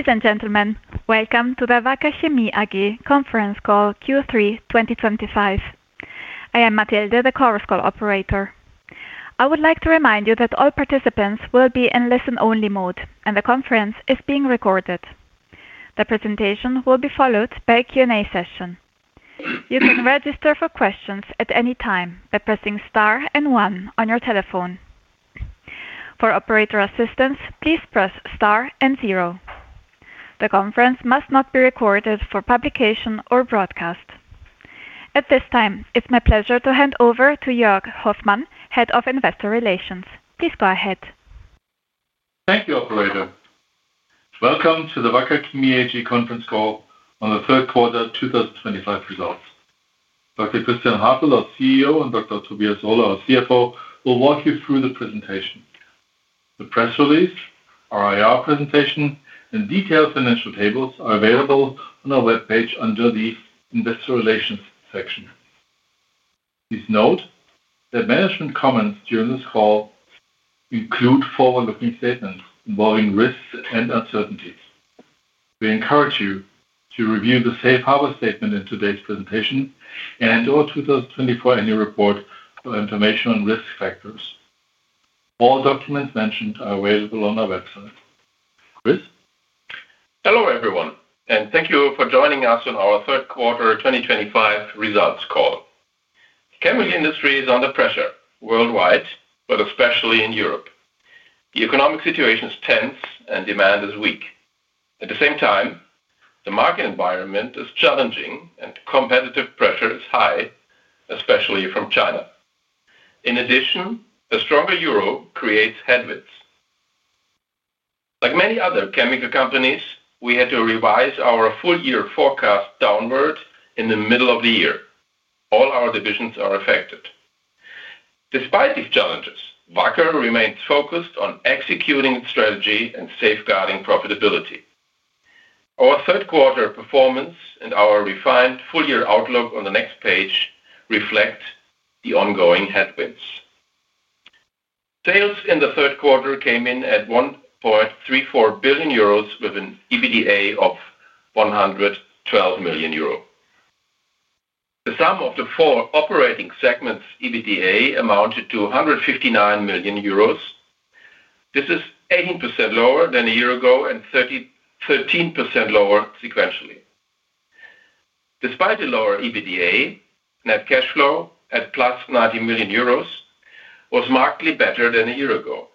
Ladies and gentlemen, welcome to the Wacker Chemie AG conference call Q3 2025. I am Mathilde, the chorus call operator. I would like to remind you that all participants will be in listen-only mode and the conference is being recorded. The presentation will be followed by a Q&A session. You can register for questions at any time by pressing star and one on your telephone. For operator assistance, please press star and zero. The conference must not be recorded for publication or broadcast at this time. It's my pleasure to hand over to Joerg Hoffmann, Head of Investor Relations. Please go ahead. Thank you, operator. Welcome to the Wacker Chemie AG conference call on the third quarter 2025 results. Dr. Christian Hartel, our CEO, and Dr. Tobias Ohler, our CFO, will walk you through the presentation. The press release, our IR presentation, and detailed financial tables are available on our webpage under the Investor Relations section. Please note that management comments during this call include forward-looking statements involving risks and uncertainties. We encourage you to review the Safe Harbor statement in today's presentation and our 2024 annual report for information on risk factors. All documents mentioned are available on our website. Hello everyone and thank you for joining us on our third quarter 2025 results call. The chemical industry is under pressure worldwide, but especially in Europe. The economic situation is tense and demand is weak. At the same time, the market environment is challenging and competitive pressure is high, especially from China. In addition, a stronger euro creates headwinds. Like many other chemical companies, we had to revise our full year forecast downward in the middle of the year. All our divisions are affected. Despite these challenges, Wacker remains focused on executing its strategy and safeguarding profitability. Our third quarter performance and our refined full year outlook on the next page reflect the ongoing headwinds. Sales in the third quarter came in at 1.34 billion euros with an EBITDA of 112 million euro. The sum of the four operating segments' EBITDA amounted to 159 million euros. This is 18% lower than a year ago and 13% lower sequentially. Despite the lower EBITDA, net cash flow at plus 19 million euros was markedly better than a year ago.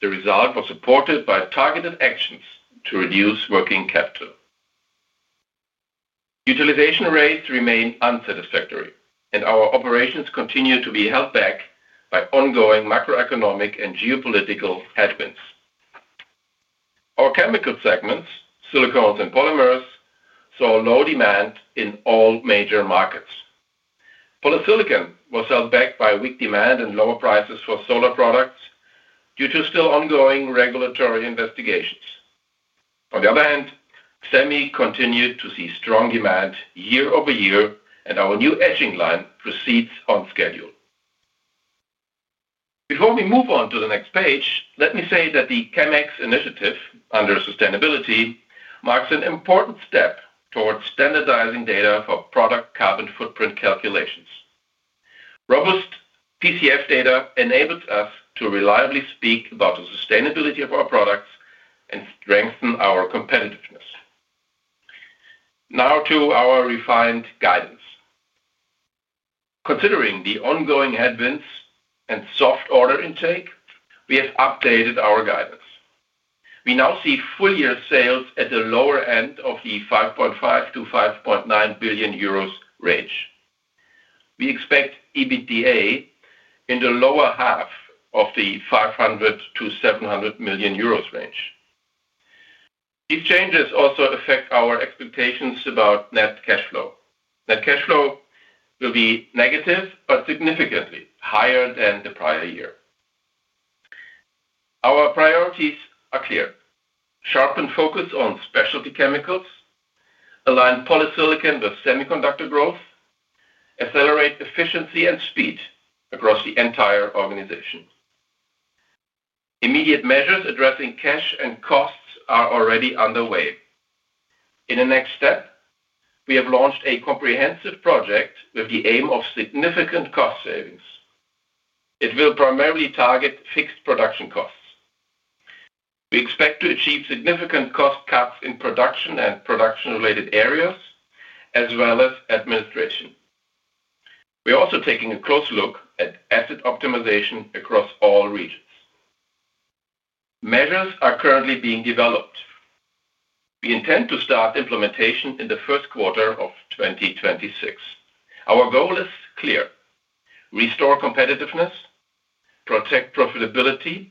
The result was supported by targeted actions to reduce working capital. Utilization rates remain unsatisfactory and our operations continue to be held back by ongoing macroeconomic and geopolitical headwinds. Our chemical segments, Silicones and Polymers, saw low demand in all major markets. Polysilicon was held back by weak demand and lower prices for solar products due to still ongoing regulatory investigations. On the other hand, Semi continued to see strong demand year-over-year and our new etching line proceeds on schedule. Before we move on to the next page, let me say that the Chemex initiative under Sustainability marks an important step towards standardizing data for product carbon footprint calculations. Robust PCF data enables us to reliably speak about the sustainability of our products and strengthen our competitiveness. Now to our refined guidance. Considering the ongoing headwinds and soft order intake, we have updated our guidance. We now see full year sales at the lower end of the 5.5 billion-5.9 billion euros range. We expect EBITDA in the lower half of the 500-700 million euros range. These changes also affect our expectations about net cash flow. Net cash flow will be negative but significantly higher than the prior year. Our priorities are sharpen focus on specialty chemicals, align polysilicon with semiconductor growth, accelerate efficiency and speed across the entire organization. Immediate measures addressing cash and costs are already underway. In the next step, we have launched a comprehensive project with the aim of significant cost savings. It will primarily target fixed production costs. We expect to achieve significant cost cuts in production and production related areas as well as administration. We are also taking a closer look at asset optimization across all regions. Measures are currently being developed. We intend to start implementation in the first quarter of 2026. Our goal is restore competitiveness, protect profitability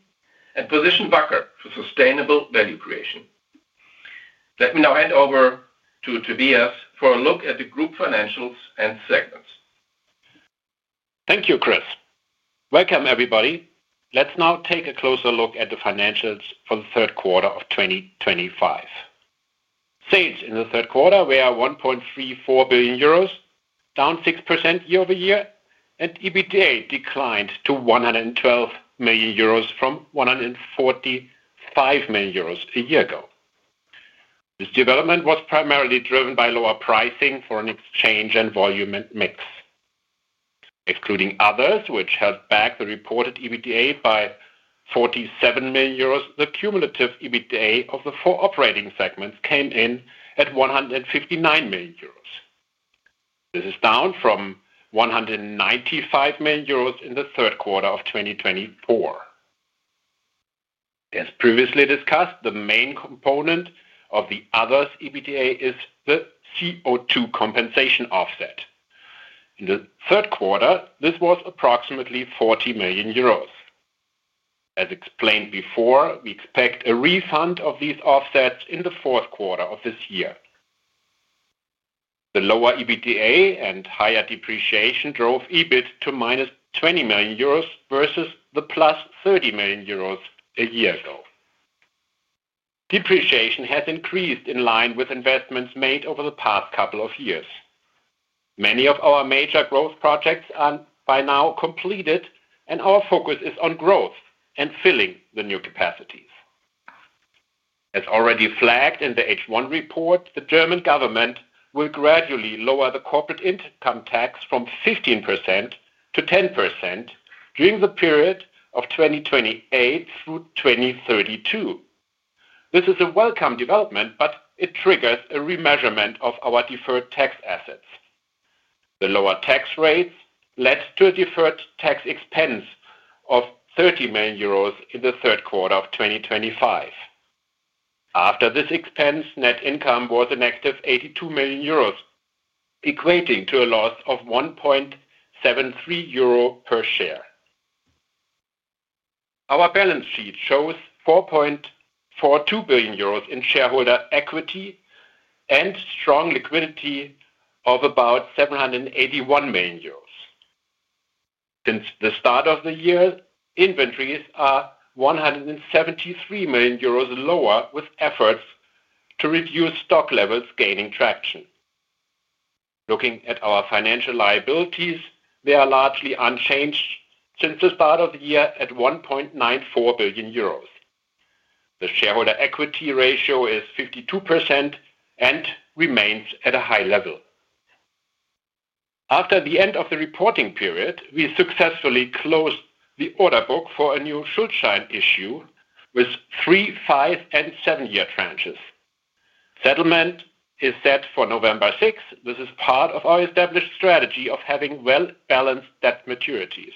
and position Wacker for sustainable value creation. Let me now hand over to Tobias for a look at the group financials and segments. Thank you, Chris. Welcome, everybody. Let's now take a closer look at the financials for the third quarter of 2025. Sales in the third quarter were 1.34 billion euros, down 6% year-over-year, and EBITDA declined to 112 million euros from 145 million euros a year ago. This development was primarily driven by lower pricing, foreign exchange, and volume mix. Excluding Others, which has backed the reported EBITDA by 47 million euros, the cumulative EBITDA of the four operating segments came in at 159 million euros. This is down from 195 million euros in the third quarter of 2024. As previously discussed, the main component of the Others EBITDA is the CO2 compensation offset. In the third quarter, this was approximately 40 million euros. As explained before, we expect a refund of these offsets in the fourth quarter of this year. The lower EBITDA and higher depreciation drove EBIT to -20 million euros versus the +30 million euros a year ago. Depreciation has increased in line with investments made over the past couple of years. Many of our major growth projects are by now completed, and our focus is on growth and filling the new capacities. As already flagged in the H1 report, the German government will gradually lower the corporate income tax from 15%-10% during the period of 2028 through 2032. This is a welcome development, but it triggers a remeasurement of our deferred tax assets. The lower tax rates led to a deferred tax expense of 30 million euros in the third quarter of 2025. After this expense, net income was a -82 million euros, equating to a loss of 1 euro per share. Our balance sheet shows 4.42 billion euros in shareholder equity and strong liquidity of about 781 million euros since the start of the year. Inventories are 173 million euros lower, with efforts to reduce stock levels gaining traction. Looking at our financial liabilities, they are largely unchanged since the start of the year at 1.94 billion euros. The shareholder equity ratio is 52% and remains at a high level. After the end of the reporting period, we successfully closed the order book for a new Schuldschein issue with three, five, and seven year tranches. Settlement is set for November 6. This is part of our established strategy of having well-balanced debt maturities.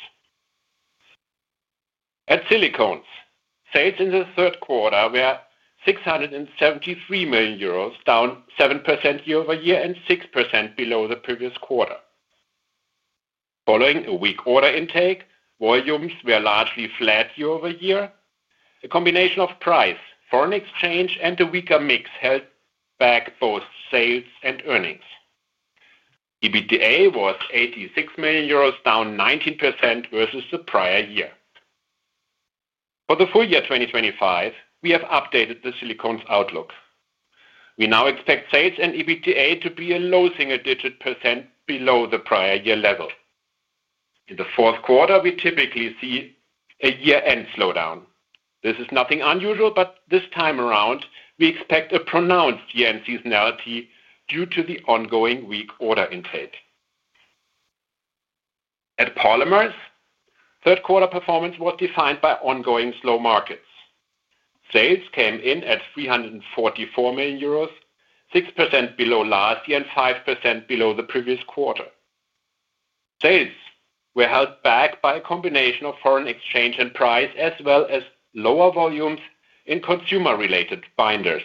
At Silicones, sales in the third quarter were 673 million euros, down 7% year-over-year and 6% below the previous quarter. Following a weak order intake, volumes were largely flat year-over-year. A combination of price, foreign exchange, and a weaker mix held back both sales and earnings. EBITDA was 86 million euros, down 19% versus the prior year. For the full year 2025, we have updated the Silicones outlook. We now expect sales and EBITDA to be a low single digit percent below the prior year level. In the fourth quarter, we typically see a year-end slowdown. This is nothing unusual, but this time around we expect a pronounced year-end seasonality due to the ongoing weak order intake. At Polymers, third quarter performance was defined by ongoing slow markets. Sales came in at 344 million euros, 6% below last year and 5% below the previous quarter. Sales were held back by a combination of foreign exchange and price as well as lower volumes in consumer-related binders.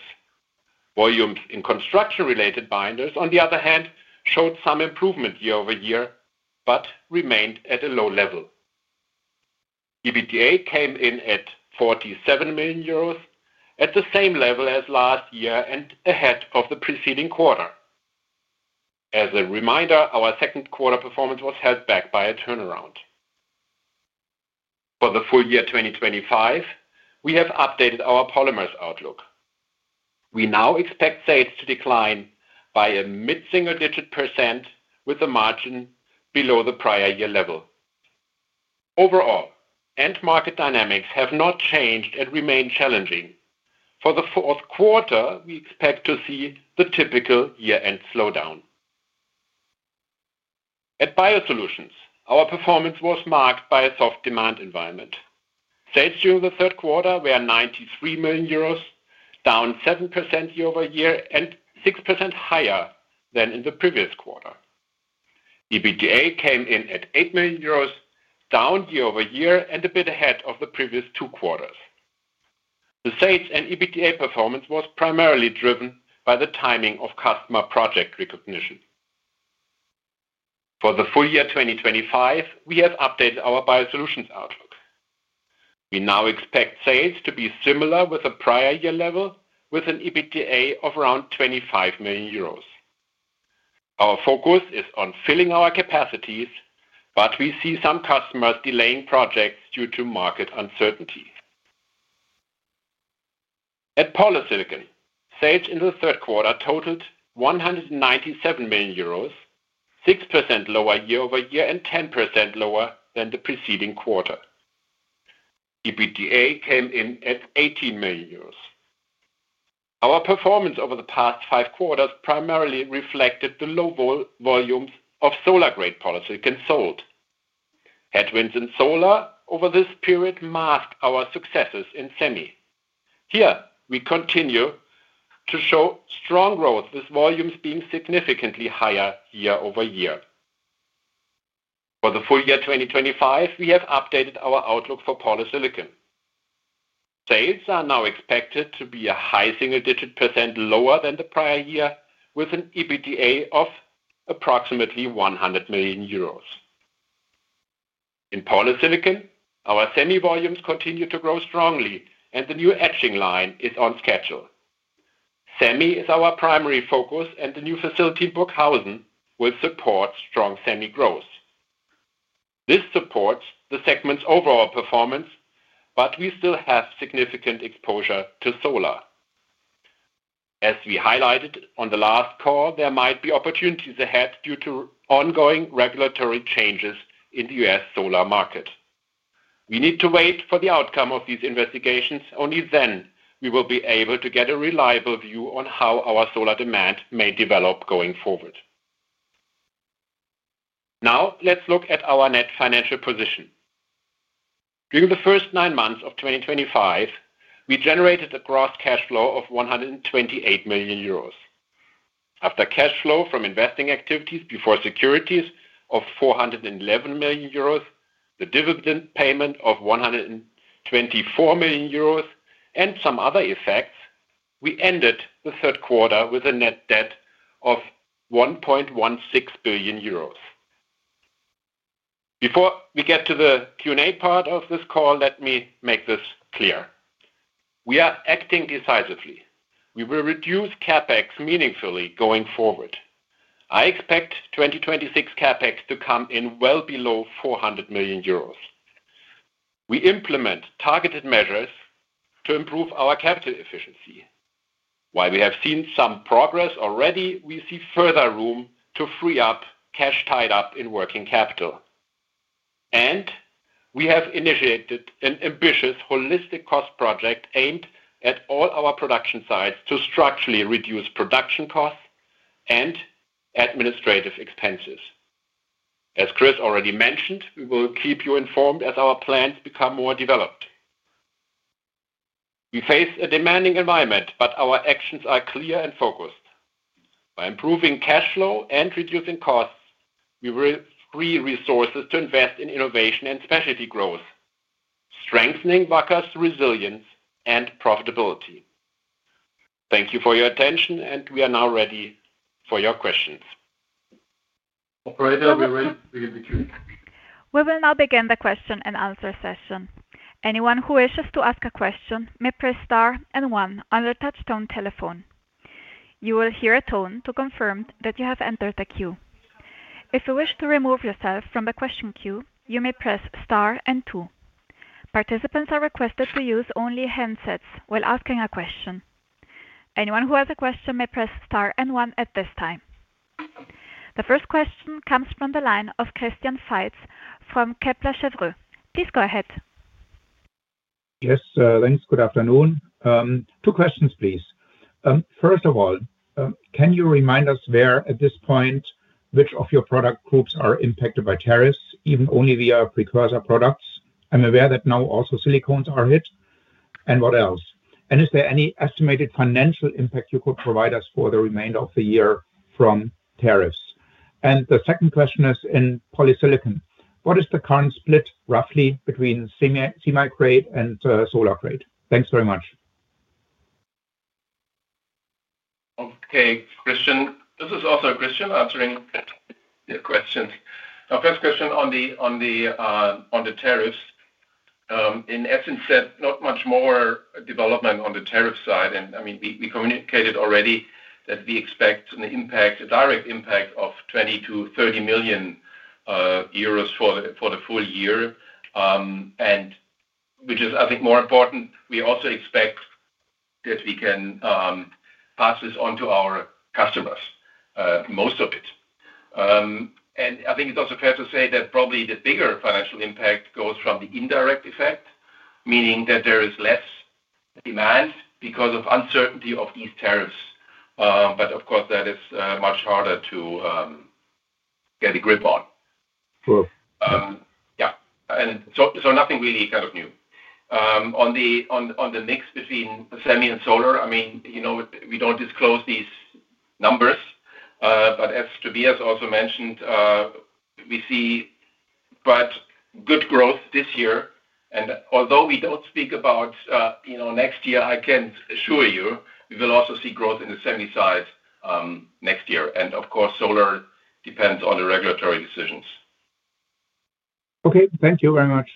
Volumes in construction-related binders, on the other hand, showed some improvement year-over-year but remained at a low level. EBITDA came in at 47 million euros at the same level as last year and ahead of the preceding quarter. As a reminder, our second quarter performance was held back by a turnaround. For the full year 2025, we have updated our Polymers outlook. We now expect sales to decline by a mid single digit percent with a margin below the prior year level. Overall end market dynamics have not changed and remain challenging. For the fourth quarter, we expect to see the typical year-end slowdown. At BioSolutions, our performance was marked by a soft demand environment. Sales during the third quarter were 93 million euros, down 7% year-over-year and 6% higher than in the previous quarter. EBITDA came in at 8 million euros, down year-over-year and a bit ahead of the previous two quarters. The sales and EBITDA performance was primarily driven by the timing of customer project recognition. For the full year 2025, we have updated our BioSolutions outlook. We now expect sales to be similar with the prior year level with an EBITDA of around 25 million euros. Our focus is on filling our capacities, but we see some customers delaying projects due to market uncertainty. At Polysilicon, sales in the third quarter totaled 197 million euros, 6% lower year-over year and 10% lower than the preceding quarter. EBITDA came in at 18 million euros. Our performance over the past five quarters primarily reflected the low volumes of solar-grade polysilicon. Headwinds in solar over this period mask our successes in Semi. Here we continue to show strong growth with volumes being significantly higher year-over-year. For the full year 2025, we have updated our outlook for Polysilicon. Sales are now expected to be a high single digit percent lower than the prior year with an EBITDA of approximately 100 million euros in Polysilicon. Our Semi volumes continue to grow strongly, and the new etching line is on schedule. Semi is our primary focus, and the new facility Buckhausen will support strong Semi growth. This supports the segment's overall performance, but we still have significant exposure to solar. As we highlighted on the last call, there might be opportunities ahead due to ongoing regulatory changes in the U.S. solar market. We need to wait for the outcome of these investigations. Only then will we be able to get a reliable view on how our solar demand may develop going forward. Now let's look at our net financial position. During the first nine months of 2025, we generated a gross cash flow of 128 million euros. After cash flow from investing activities before securities of 411 million euros, the dividend payment of 124 million euros, and some other effects, we ended the third quarter with a net debt of 1.16 billion euros. Before we get to the Q&A part of this call, let me make this clear. We are acting decisively. We will reduce CAPEX meaningfully going forward. I expect 2026 CAPEX to come in well below 400 million euros. We implement targeted measures to improve our capital efficiency. While we have seen some progress already, we see further room to free up cash tied up in working capital. We have initiated an ambitious holistic cost project aimed at all our production sites to structurally reduce production costs and administrative expenses. As Chris already mentioned, we will keep you informed as our plans become more developed. We face a demanding environment, but our actions are clear and focused. By improving cash flow and reducing costs, we free resources to invest in innovation and specialty growth, strengthening Wacker's resilience and profitability. Thank you for your attention, and we are now ready for your questions. Operator, we are ready. We will now begin the question-and-answer session. Anyone who wishes to ask a question may press star and one on their Touchstone telephone. You will hear a tone to confirm that you have entered the queue. If you wish to remove yourself from the question queue, you may press star and two. Participants are requested to use only handsets while asking a question. Anyone who has a question may press and one at this time. The first question comes from the line of Christian Seitz from Kepler Cheuvreux. Please go ahead. Yes, thanks. Good afternoon. Two questions please. First of all, can you remind us where at this point which of your product groups are impacted by tariffs, even only via precursor products? I'm aware that now also silicones are hit, what else? Is there any estimated financial impact you could provide us for the remainder of the year from tariffs? The second question is in polysilicon, what is the current split roughly between semi and solar grade? Thanks very much. Okay, Christian, this is also Christian answering your questions. Our first question on the tariffs, in essence, there's not much more development on the tariff side. I mean, we communicated already that we expect a direct impact of 20 million-30 million euros for the full year, which is, I think, more important. We also expect that we can pass this on to our customers, most of it. I think it's also fair to say that probably the bigger financial impact goes from the indirect effect, meaning that there is less demand because of uncertainty of these tariffs. Of course, that is much harder to get a grip on. Nothing really kind of new on the mix between semi and solar. I mean, you know, we don't disclose these numbers, but as Tobias also mentioned, we see quite good growth this year. Although we don't speak about, you know, next year, I can assure you we will also see growth in the semi side next year. Of course, solar depends on the regulatory decisions. Okay, thank you very much.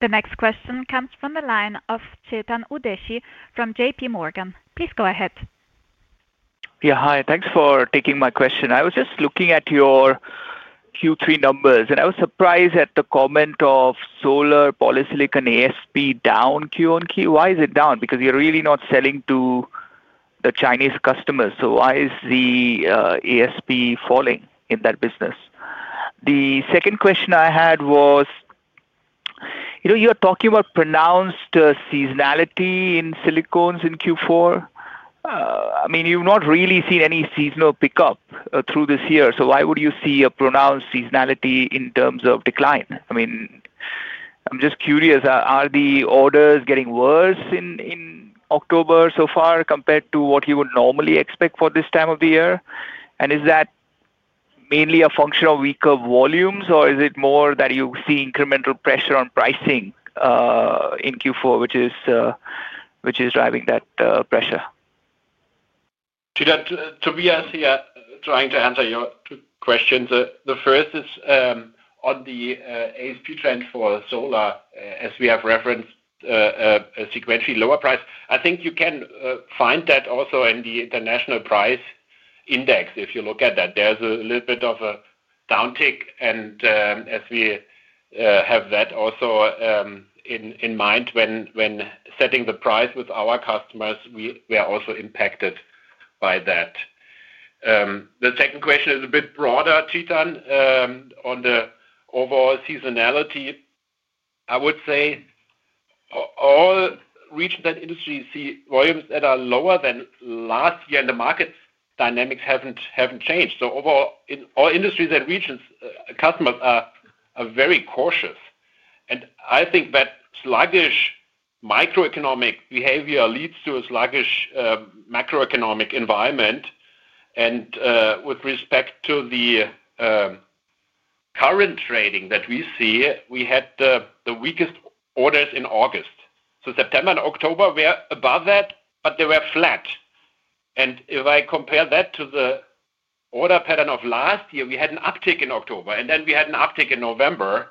The next question comes from the line of Chetan Udeshi from JPMorgan. Please go ahead. Yeah, hi. Thanks for taking my question. I was just looking at your Q3 numbers and I was surprised at the comment of solar polysilicon ASP down Q on Q. Why is it down? Because you're really not selling to the Chinese customers. Why is the ASP falling in that business? The second question I had was, you're talking about pronounced seasonality in silicones in Q4. You've not really seen any seasonal pickup through this year. Why would you see a pronounced seasonality in terms of decline? I'm just curious, are the orders getting worse in October so far compared to what you would normally expect for this time of the year? Is that mainly a function of weaker volumes or is it more that you see incremental pressure on pricing in Q4, which is driving that pressure. To be trying to answer your two questions. The first is on the ASP trend for solar. As we have referenced a sequentially lower price, I think you can find that also in the international price index. If you look at that, there's a little bit of a downtick. As we have that also in mind when setting the price with our customers, we are also impacted by that. The second question is a bit broader, tied on the overall seasonality. I would say all regions and industry see volumes that are lower than last year, and the market dynamics haven't changed. Overall, in all industries and regions, customers are very cautious. I think that sluggish microeconomic behavior leads to a sluggish macroeconomic environment. With respect to the current trading that we see, we had the weakest orders in August. September and October were above that, but they were flat. If I compare that to the order pattern of last year, we had an uptick in October and then we had an uptick in November,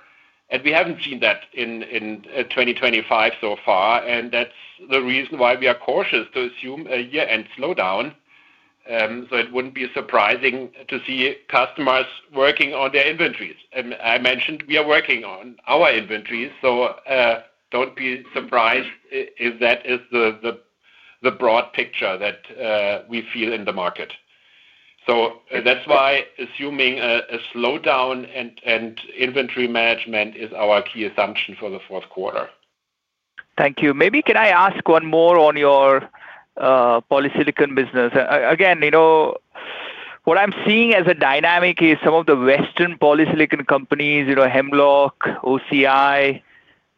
and we haven't seen that in 2025 so far. That's the reason why we are cautious to assume a year-end slowdown. It wouldn't be surprising to see customers working on their inventories. I mentioned we are working on our inventories, so don't be surprised if that is the broad picture that we feel in the market. That's why assuming a slowdown and inventory management is our key assumption for the fourth quarter. Thank you. Maybe can I ask one more on your polysilicon business again? What I'm seeing as a dynamic is some of the western polysilicon companies, you know, Hemlock, OCI,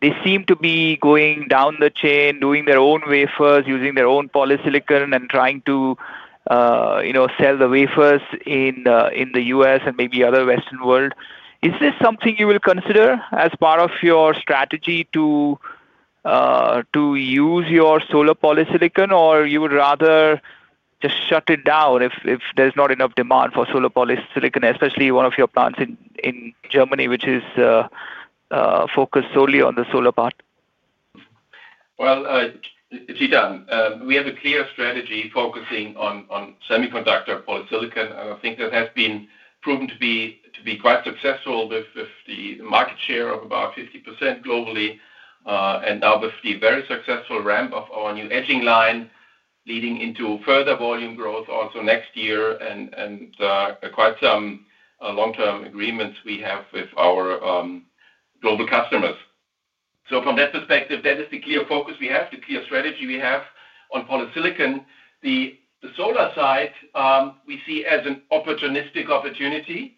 they seem to be going down the chain doing their own wafers, using their own polysilicon and trying to sell the wafers in the U.S. and maybe other western world. Is this something you will consider as part of your strategy to use your solar polysilicon or you would rather just shut it down if there's not enough demand for solar polysilicon, especially one of your plants in Germany which is focused solely on the solar part? Chetan, we have a clear strategy focusing on semiconductor-grade polysilicon and I think that has been proven to be quite successful. Market share of about 50% globally and now with the very successful ramp of our new etching line leading into further volume growth also next year and quite some long-term agreements we have with our global customers. From that perspective, that is the clear focus we have. The clear strategy we have on Polysilicon, the solar side we see as an opportunistic opportunity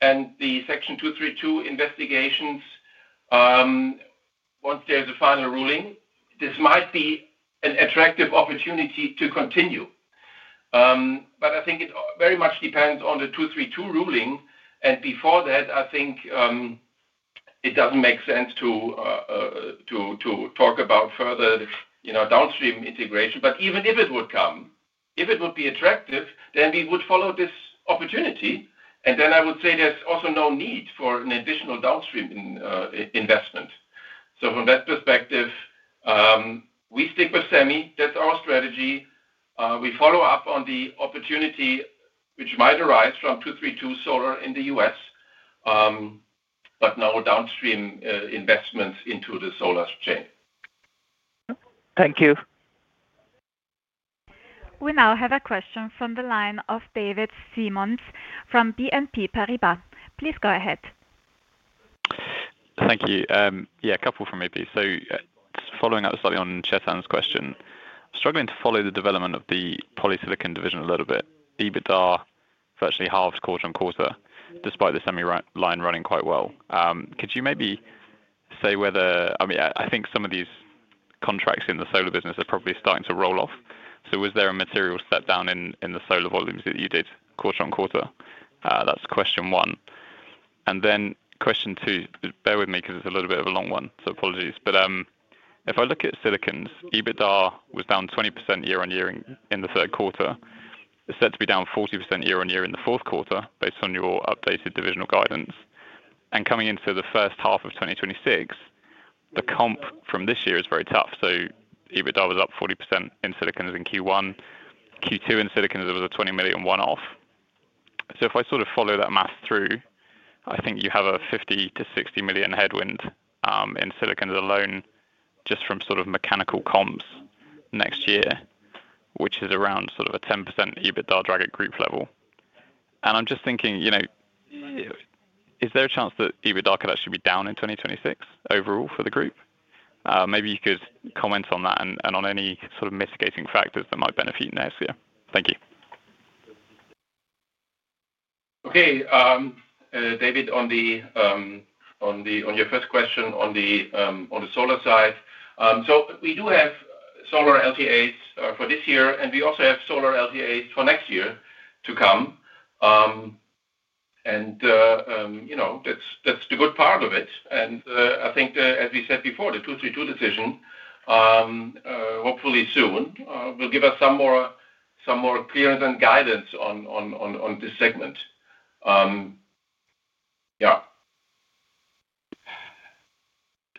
and the Section 232 investigations. Once there is a final ruling, this might be an attractive opportunity to continue. I think it very much depends on the 232 ruling. Before that, I think it doesn't make sense to talk about further downstream integration. Even if it would come, if it would be attractive, then we would follow this opportunity and then I would say there's also no need for an additional downstream investment. From that perspective, we stick with Semi. That's our strategy. We follow up on the opportunity which might arise from 232 solar in the U.S. but no downstream investments into the solar chain. Thank you. We now have a question from the line of David Simons from BNP Paribas. Please go ahead. Thank you. Yeah, a couple from Rupi. Following up slightly on Chetan's question, struggling to follow the development of the Polysilicon division a little bit. EBITDA virtually halved quarter-on-quarter despite the Semi line running quite well. Could you maybe say whether, I mean, I think some of these contracts in the solar business are probably starting to roll off. Was there a material step down in the solar volumes that you did quarter-on-quarter? That's question one. Question two, bear with me because it's a little bit of a long one. Apologies, but if I look at Silicones, EBITDA was down 20% year-on-year in the third quarter. It's set to be down 40% year-on-year in the fourth quarter based on your updated divisional guidance. Coming into the first half of 2026, the comp from this year is very tough. EBITDA was up 40% in Silicones in Q1, Q2 in Silicones there was a $20 million one-off. If I sort of follow that math through, I think you have a $50-$60 million headwind in Silicones alone just from sort of mechanical comps next year, which is around sort of a 10% EBITDA drag at group level. I'm just thinking, is there a chance that EBITDA could actually be down in 2026 overall for the group? Maybe you could comment on that and on any sort of mitigating factors that might benefit Asia. Thank you. Okay, David, on your first question on the solar side, we do have solar LTA's for this year and we also have solar LTA's for next year to come. That's the good part of it. I think, as we said before, the Section 232 decision hopefully soon will give us some more clearance and guidance on this segment.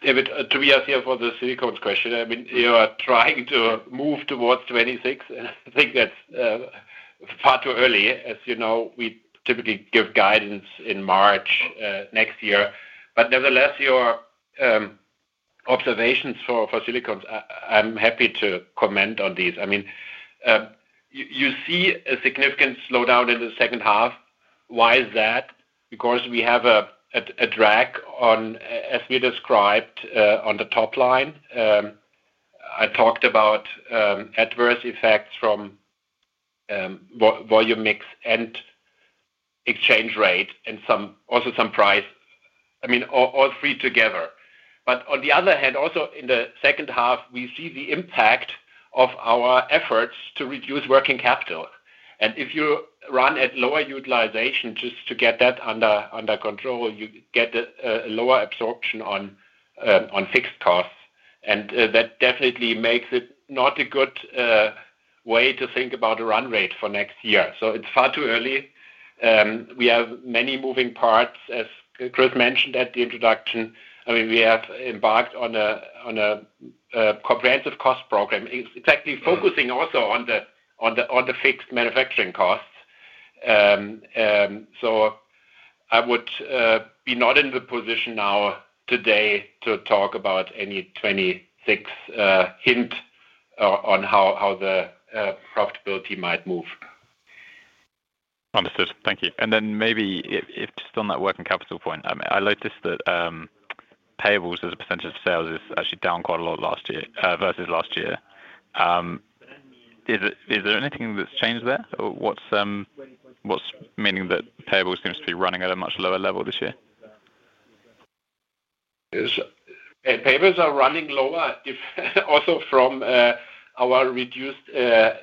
Yeah, David, to be asked here for the silicone question, I mean, you are trying to move towards 2026 and I think that's far too early. As you know, we typically give guidance in March next year. Nevertheless, your observations for Silicones, I'm happy to comment on these. I mean, you see a significant slowdown in the second half. Why is that? Because we have a drag on as we described on the top line, I talked about adverse effects from volume mix and exchange rate and also some price. I mean all three together. On the other hand, also in the second half we see the impact of our efforts to reduce working capital. If you run at lower utilization, just to get that under control, you get lower absorption on fixed costs. That definitely makes it not a good way to think about a run rate for next year. It's far too early. We have many moving parts, as Chris mentioned at the introduction. I mean, we have embarked on a comprehensive cost program. Exactly. Focusing also on the fixed manufacturing costs. I would be not in the position now today to talk about any 2026 hint on how the profitability might move. Understood, thank you. Maybe just on that working capital point, I noticed that payables as a percentage of sales, it is actually.own quite a lot last year versus last year. Is there anything that's changed there? What's meaning that payables seems to be running at a much lower level this year. Payables are running lower also from our reduced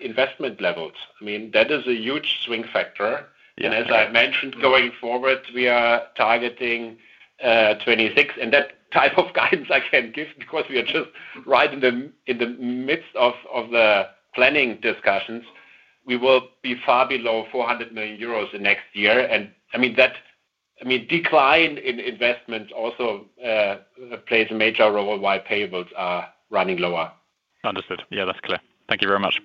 investment levels. That is a huge swing factor. As I mentioned, going forward we are targeting 26, and that type of guidance I can give because we are just right in the midst of the planning discussions. We will be far below 400 million euros next year. That decline in investment also plays a major role while payables are running lower. Understood? Yeah, that's clear. Thank you very much.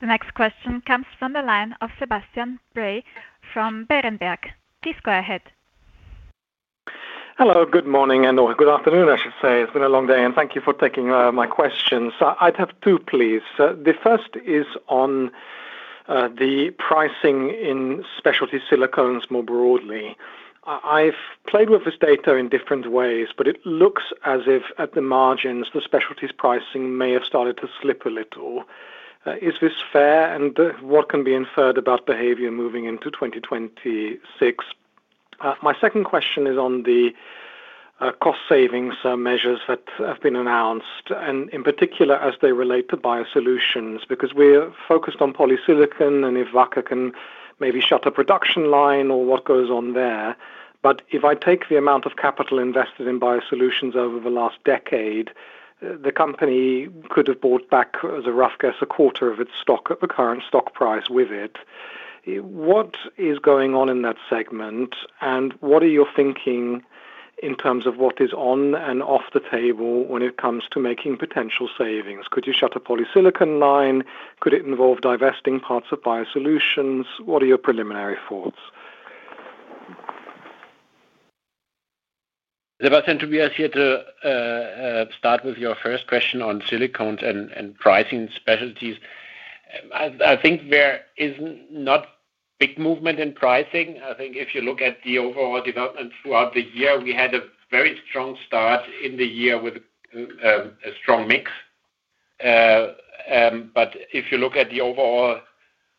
The next question comes from the line of Sebastian Bray from Berenberg. Please go ahead. Hello, good morning and, or good afternoon I should say. It's been a long day and thank you for taking my questions. I'd have two, please. One is on the pricing in specialty silicones more broadly. I've played with this data in different ways, but it looks as if at the margins the specialties pricing may have started to slip a little. Is this fair and what can be inferred about behavior moving into 2026? My second question is on the cost savings measures that have been announced and in particular as they relate to BioSolutions. Because we are focused on polysilicon, if Wacker can maybe shut a production line or what goes on there. If I take the amount of capital invested in BioSolutions over the last decade, the company could have bought back, as a rough guess, a quarter of its stock at the current stock price with it. What is going on in that segment and what are your thinking in terms of what is on and off the table when it comes to making potential savings? Could you shut a polysilicon line? Could it involve divesting parts of BioSolutions? What are your preliminary thoughts. Sebastian, to be here to start with your first question on silicones and pricing specialties, I think there is not big movement in pricing. I think if you look at the overall development throughout the year, we had a very strong start in the year with a strong mix. If you look at the overall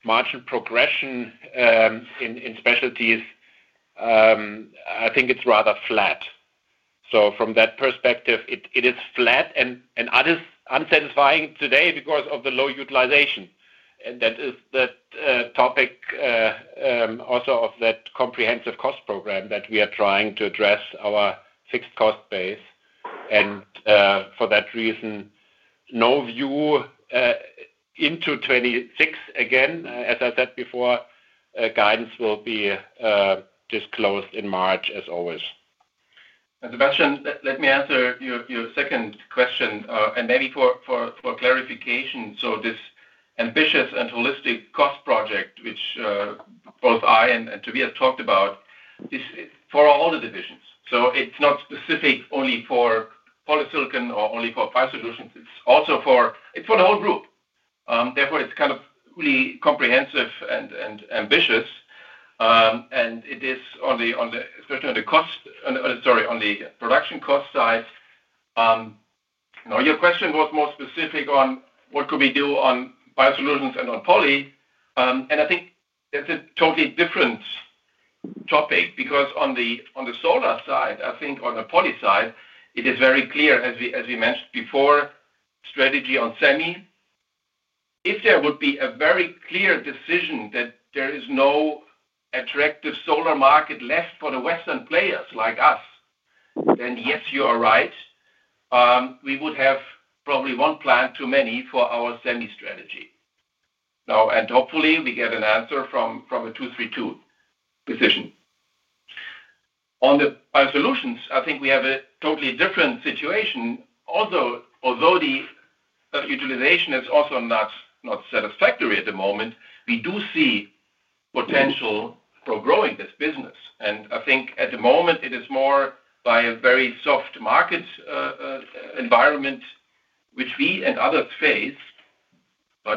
margin progression in specialties, I think it's rather flat. From that perspective it is flat and unsatisfying today because of the low utilization, and that is the topic also of that comprehensive cost program that we are trying to address, our fixed cost base. For that reason, no view into 2026 again, as I said before, guidance will be disclosed in March. As always, Sebastian, let me answer your second question and maybe for clarification. This ambitious and holistic cost project, which both I and Tobias had talked about, is for all the divisions. It's not specific only for polysilicon or only for BioSolutions. It's for the whole group. Therefore, it's really comprehensive and ambitious, and it is on the cost—sorry, on the production cost side. Your question was more specific on what could we do on BioSolutions and on poly, and I think that's a totally different topic because on the solar side, I think on the poly side, it is very clear, as we mentioned before, strategy on Semi. If there would be a very clear decision that there is no attractive solar market left for the western players like us, then yes, you are right, we would have probably one plant too many for our Semi strategy, and hopefully we get an answer from a Section 232 position. On the BioSolutions, I think we have a totally different situation. Although the utilization is also not satisfactory at the moment, we do see potential for growing this business, and I think at the moment it is more by a very soft market environment, which we and others face.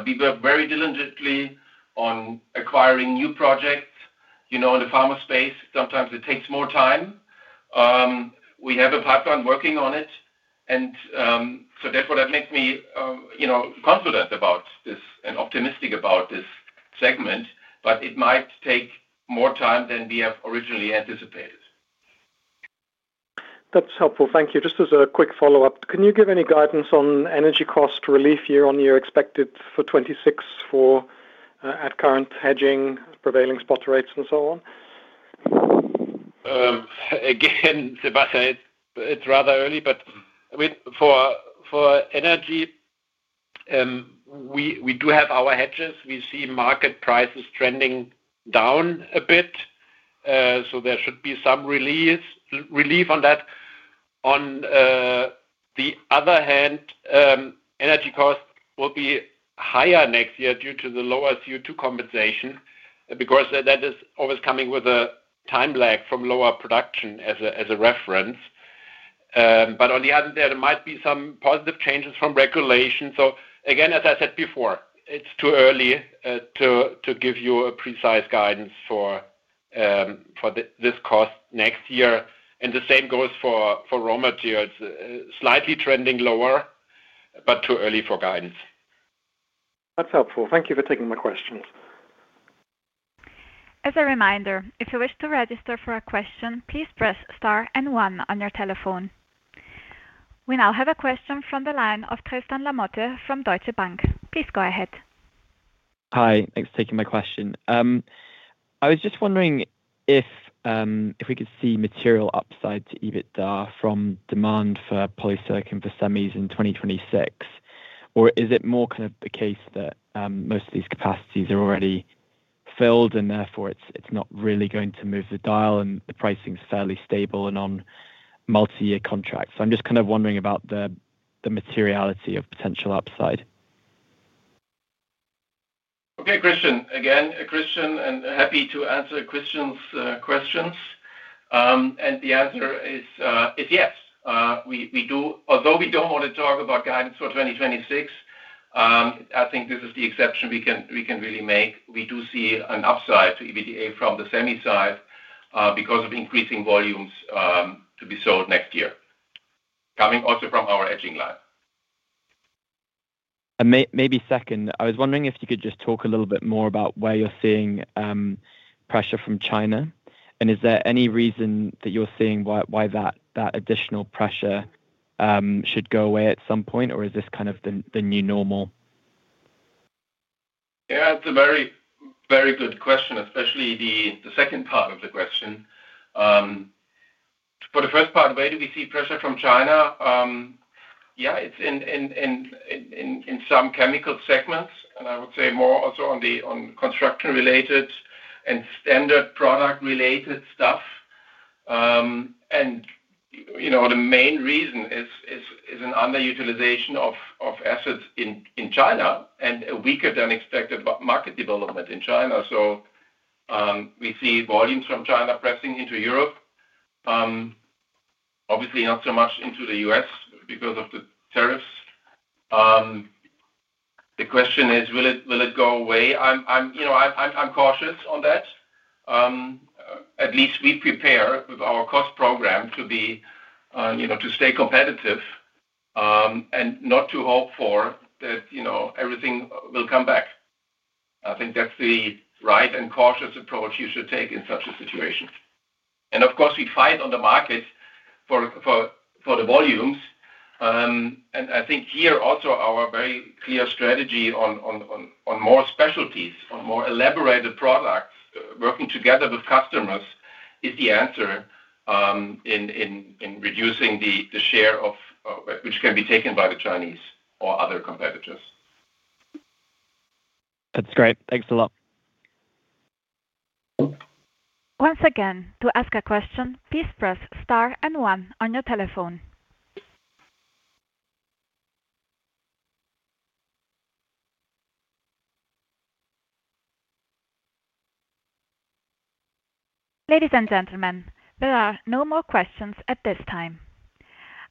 We work very diligently on acquiring new projects. You know, in the pharma space, sometimes it takes more time. We have a pipeline working on it, and therefore that makes me confident about this and optimistic about this segment. It might take more time than we have originally anticipated. That's helpful, thank you. Just as a quick follow-up, can you give any guidance on energy cost relief year-on-year expected for 2026 for at current hedging, prevailing spot rates, and so on. Again, Sebastian, it's rather early, but for energy we do have our hedges. We see market prices trending down a bit, so there should be some relief on that. On the other hand, energy costs will be higher next year due to the lower CO2 compensation because that is always coming with a time lag from lower production as a reference. There might be some positive changes from regulation. As I said before, it's too early to give you a precise guidance for this cost next year. The same goes for raw materials, slightly trending lower but too early for guidance. That's helpful. Thank you for taking my questions. As a reminder, if you wish to register for a question, please press and one on your telephone. We now have a question from the line of Tristan Lamotte from Deutsche Bank. Please go ahead. Hi, thanks for taking my question. I was just wondering if we could see material upside to EBITDA from demand for polysilicon for semis in 2026, or is it more kind of the case that most of these capacities are already filled and therefore it's not really going to move the dial and the pricing is fairly stable and on multi-year contracts. I'm just kind of wondering about the materiality of potential upside. Okay, Christian again, Christian and happy to answer Christian's questions, and the answer is yes, we do. Although we don't want to talk about guidance for 2026, I think this is the exception we can really make. We do see an upside to EBITDA from the Semi side because of increasing volumes to be sold next year, coming also from our etching line. Maybe second, I was wondering if you could just talk a little bit more about where you're seeing pressure from China, and is there any reason that you're seeing why that additional pressure should go away at some point, or is this kind of the new normal? Yeah, it's a very, very good question, especially the second part of the question. For the first part, where do we see pressure from China? Yeah, it's in some chemical segments, and I would say more also on the construction-related and standard product-related stuff. The main reason is an underutilization of assets in China and weaker than expected market development in China. We see volumes from China pressing into Europe, obviously not so much into the U.S. because of the tariffs. The question is, will it go away? I'm cautious on that. At least we prepare with our cost program to stay competitive and not to hope that everything will come back. I think that's the right and cautious approach you should take in such a situation. Of course, we fight on the market for the volumes, and I think here also our very clear strategy on more specialties, on more elaborated products, working together with customers, is the answer in reducing the share of which can be taken by the Chinese or other competitors. That's great. Thanks a lot. Once again, to ask a question, please press star and one on your telephone. Ladies and gentlemen, there are no more questions at this time.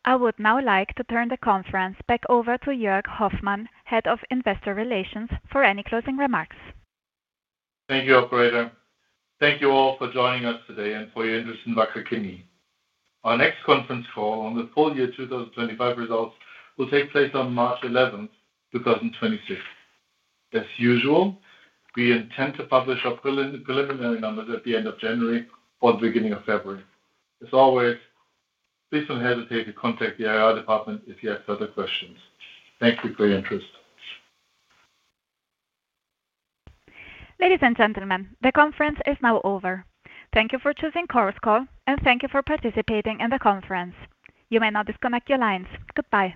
I would now like to turn the conference back over to Joerg Hoffmann, Head of Investor Relations, for any closing remarks. Thank you, operator. Thank you all for joining us today and for your interest in Wacker Chemie. Our next conference call on the full year 2025 results will take place on March 11th, 2026, as usual. We intend to publish our preliminary numbers at the end of January or the beginning of February. As always, please don't hesitate to contact the IR department if you have further questions. Thank you for your interest. Ladies and gentlemen, the conference is now over. Thank you for choosing chorus call, and thank you for participating in the conference. You may now disconnect your lines. Goodbye.